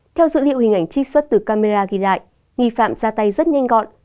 theo dữ liệu hình ảnh trích xuất từ camera ghi lại nghi phạm ra tay rất nhanh gọn